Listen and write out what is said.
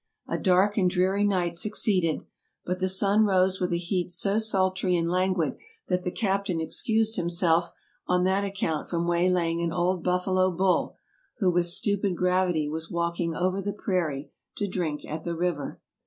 A dark and dreary night succeeded; but the sun rose with a heat so sultry and languid that the captain excused himself on that account from waylaying an old buffalo bull, who with stupid gravity was walking over the prairie to drink at the river.